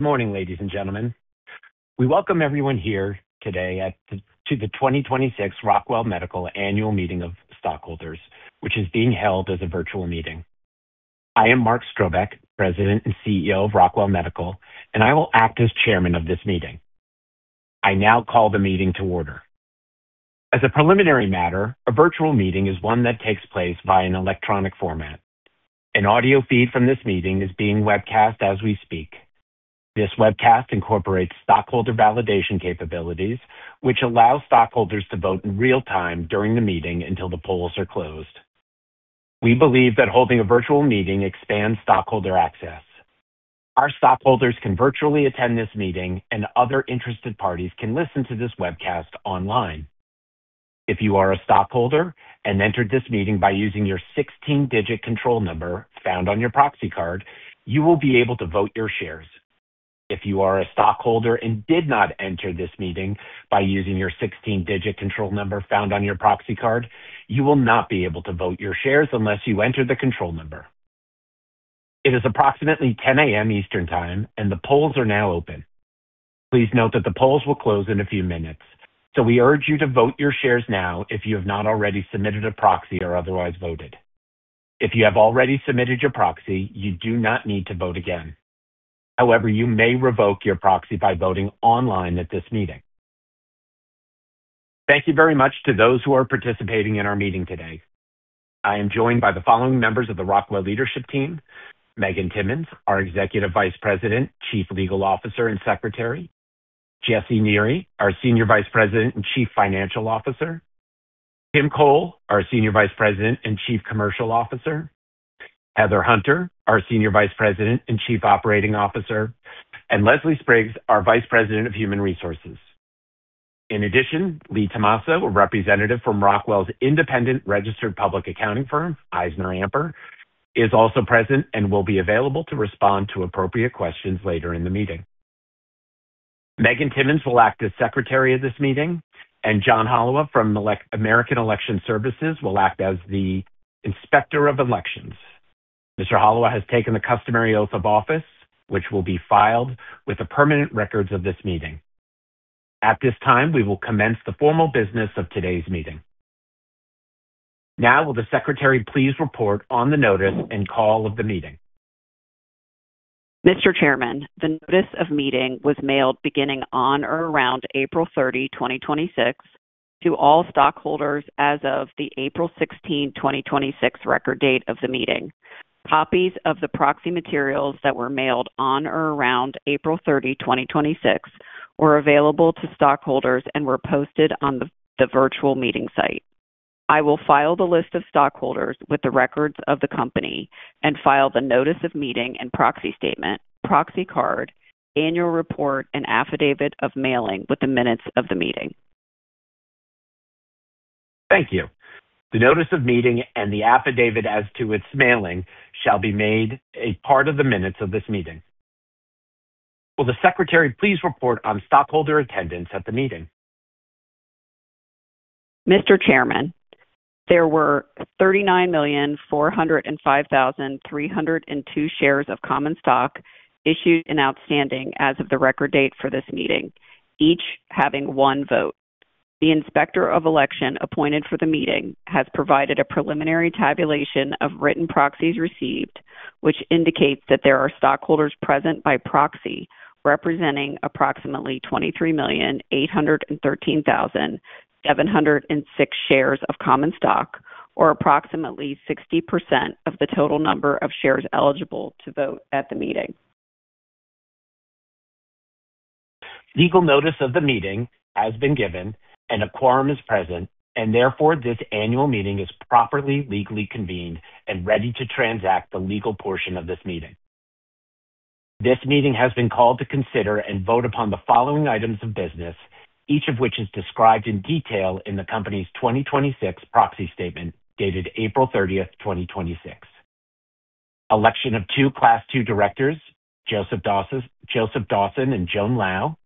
Morning, ladies and gentlemen. We welcome everyone here today to the 2026 Rockwell Medical Annual Meeting of Stockholders, which is being held as a virtual meeting. I am Mark Strobeck, President and CEO of Rockwell Medical, and I will act as chairman of this meeting. I now call the meeting to order. As a preliminary matter, a virtual meeting is one that takes place via an electronic format. An audio feed from this meeting is being webcast as we speak. This webcast incorporates stockholder validation capabilities, which allows stockholders to vote in real time during the meeting until the polls are closed. We believe that holding a virtual meeting expands stockholder access. Our stockholders can virtually attend this meeting, and other interested parties can listen to this webcast online. If you are a stockholder and entered this meeting by using your 16-digit control number found on your proxy card, you will be able to vote your shares. If you are a stockholder and did not enter this meeting by using your 16-digit control number found on your proxy card, you will not be able to vote your shares unless you enter the control number. It is approximately 10:00 A.M. Eastern Time. The polls are now open. Please note that the polls will close in a few minutes, so we urge you to vote your shares now if you have not already submitted a proxy or otherwise voted. If you have already submitted your proxy, you do not need to vote again. You may revoke your proxy by voting online at this meeting. Thank you very much to those who are participating in our meeting today. I am joined by the following members of the Rockwell leadership team: Megan Timmins, our Executive Vice President, Chief Legal Officer, and Secretary; Jesse Neri, our Senior Vice President and Chief Financial Officer; Tim Chole, our Senior Vice President and Chief Commercial Officer; Heather Hunter, our Senior Vice President and Chief Operating Officer; and Leslie Spriggs, our Vice President of Human Resources. Lee Tomasso, a representative from Rockwell's independent registered public accounting firm, EisnerAmper, is also present and will be available to respond to appropriate questions later in the meeting. Megan Timmins will act as secretary of this meeting. John Holewa from American Election Services will act as the inspector of elections. Mr. Holewa has taken the customary oath of office, which will be filed with the permanent records of this meeting. At this time, we will commence the formal business of today's meeting. Now, will the secretary please report on the notice and call of the meeting? Mr. Chairman, the notice of meeting was mailed beginning on or around April 30, 2026, to all stockholders as of the April 16, 2026, record date of the meeting. Copies of the proxy materials that were mailed on or around April 30, 2026, were available to stockholders and were posted on the virtual meeting site. I will file the list of stockholders with the records of the company and file the notice of meeting and proxy statement, proxy card, annual report, and affidavit of mailing with the minutes of the meeting. Thank you. The notice of meeting and the affidavit as to its mailing shall be made a part of the minutes of this meeting. Will the secretary please report on stockholder attendance at the meeting? Mr. Chairman, there were 39,405,302 shares of common stock issued and outstanding as of the record date for this meeting, each having one vote. The inspector of election appointed for the meeting has provided a preliminary tabulation of written proxies received, which indicates that there are stockholders present by proxy representing approximately 23,813,706 shares of common stock, or approximately 60% of the total number of shares eligible to vote at the meeting. Legal notice of the meeting has been given and a quorum is present, and therefore this annual meeting is properly legally convened and ready to transact the legal portion of this meeting. This meeting has been called to consider and vote upon the following items of business, each of which is described in detail in the company's 2026 proxy statement, dated April 30, 2026. Election of two Class II directors, Joseph Dawson and Joan Lau,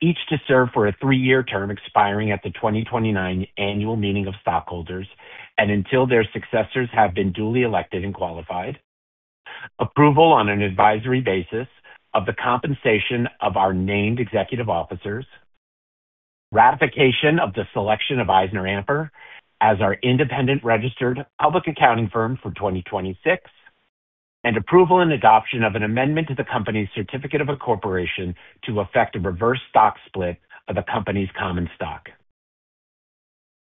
each to serve for a three-year term expiring at the 2029 annual meeting of stockholders and until their successors have been duly elected and qualified. Approval on an advisory basis of the compensation of our named executive officers. Ratification of the selection of EisnerAmper as our independent registered public accounting firm for 2026. Approval and adoption of an amendment to the company's certificate of incorporation to effect a reverse stock split of the company's common stock.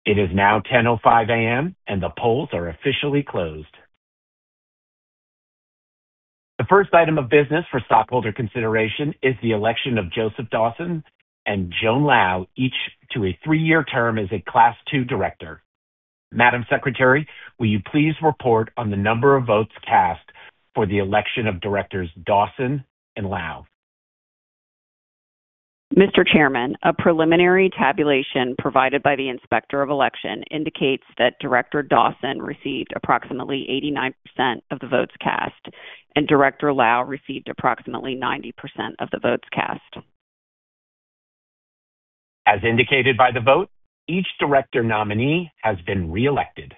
It is now 10:05 A.M., and the polls are officially closed. The first item of business for stockholder consideration is the election of Joseph Dawson and Joan Lau, each to a three-year term as a Class II director. Madam Secretary, will you please report on the number of votes cast for the election of Directors Dawson and Lau? Mr. Chairman, a preliminary tabulation provided by the Inspector of Elections indicates that Director Dawson received approximately 89% of the votes cast, and Director Lau received approximately 90% of the votes cast. As indicated by the vote, each director nominee has been reelected.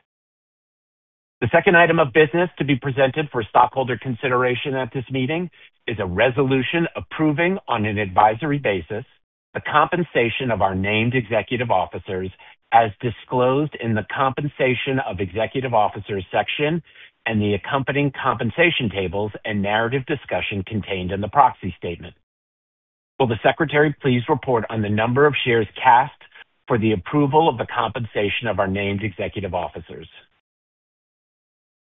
The second item of business to be presented for stockholder consideration at this meeting is a resolution approving on an advisory basis the compensation of our named executive officers as disclosed in the Compensation of Executive Officers section and the accompanying compensation tables and narrative discussion contained in the proxy statement. Will the secretary please report on the number of shares cast for the approval of the compensation of our named executive officers?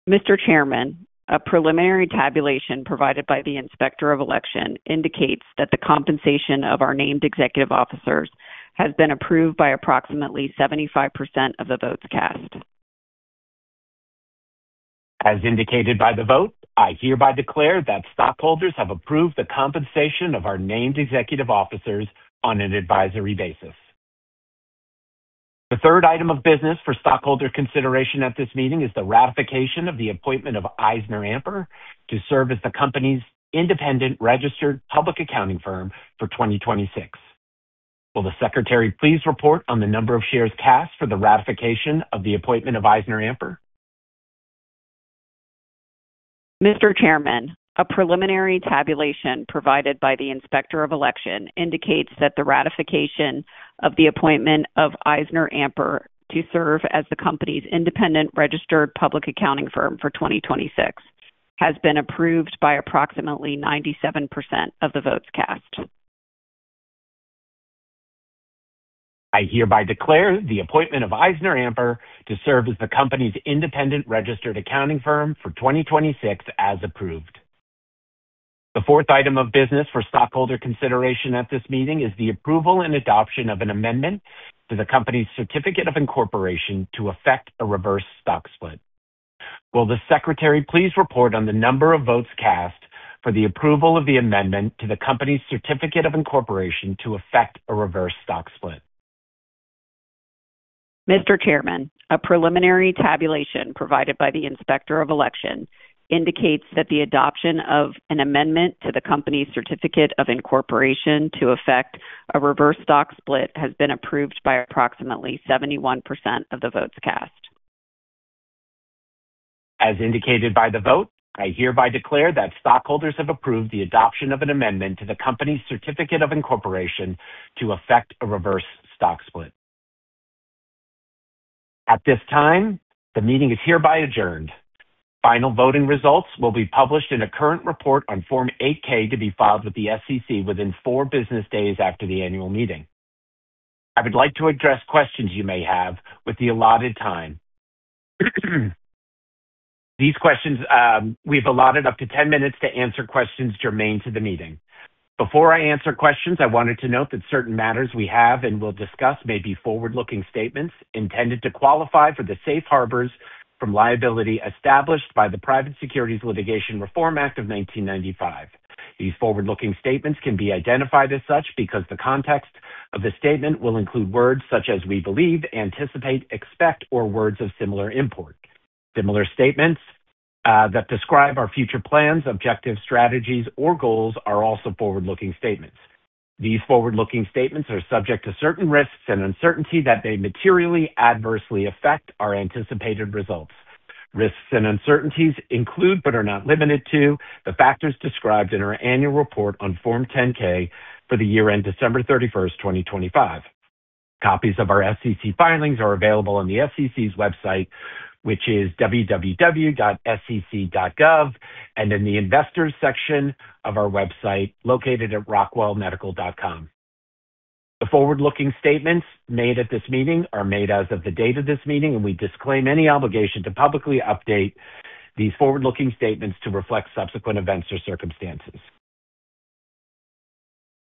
Mr. Chairman, a preliminary tabulation provided by the Inspector of Elections indicates that the compensation of our named executive officers has been approved by approximately 75% of the votes cast. As indicated by the vote, I hereby declare that stockholders have approved the compensation of our named executive officers on an advisory basis. The third item of business for stockholder consideration at this meeting is the ratification of the appointment of EisnerAmper to serve as the company's independent registered public accounting firm for 2026. Will the secretary please report on the number of shares cast for the ratification of the appointment of EisnerAmper? Mr. Chairman, a preliminary tabulation provided by the Inspector of Election indicates that the ratification of the appointment of EisnerAmper to serve as the company's independent registered public accounting firm for 2026 has been approved by approximately 97% of the votes cast. I hereby declare the appointment of EisnerAmper to serve as the company's independent registered accounting firm for 2026 as approved. The fourth item of business for stockholder consideration at this meeting is the approval and adoption of an amendment to the company's certificate of incorporation to effect a reverse stock split. Will the secretary please report on the number of votes cast for the approval of the amendment to the company's certificate of incorporation to effect a reverse stock split? Mr. Chairman, a preliminary tabulation provided by the Inspector of Election indicates that the adoption of an amendment to the company's certificate of incorporation to effect a reverse stock split has been approved by approximately 71% of the votes cast. As indicated by the vote, I hereby declare that stockholders have approved the adoption of an amendment to the company's certificate of incorporation to effect a reverse stock split. At this time, the meeting is hereby adjourned. Final voting results will be published in a current report on Form 8-K to be filed with the SEC within four business days after the annual meeting. I would like to address questions you may have with the allotted time. We've allotted up to 10 minutes to answer questions germane to the meeting. Before I answer questions, I wanted to note that certain matters we have and will discuss may be forward-looking statements intended to qualify for the safe harbors from liability established by the Private Securities Litigation Reform Act of 1995. These forward-looking statements can be identified as such because the context of the statement will include words such as "we believe," "anticipate," "expect" or words of similar import. Similar statements that describe our future plans, objectives, strategies, or goals are also forward-looking statements. These forward-looking statements are subject to certain risks and uncertaintes that they materially adversely affect our anticipated results. Risks and uncertainties include, but are not limited to, the factors described in our annual report on Form 10-K for the year end December 31st, 2025. Copies of our SEC filings are available on the SEC's website, which is www.sec.gov, and in the Investors section of our website located at rockwellmedical.com. We disclaim any obligation to publicly update these forward-looking statements to reflect subsequent events or circumstances.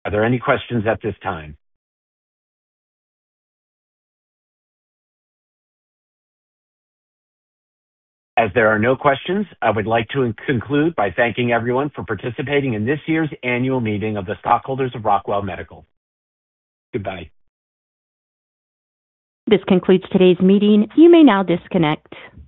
Are there any questions at this time? As there are no questions, I would like to conclude by thanking everyone for participating in this year's annual meeting of the stockholders of Rockwell Medical. Goodbye. This concludes today's meeting. You may now disconnect.